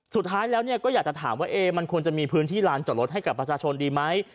สุดท้ายแล้วก็อยากจะถามว่ามันควรจะมีพื้นที่ลานจอดรถให้กับประชาชนดีไหม